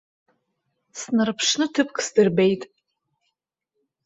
Снарԥшны ҭыԥк сдырбеит.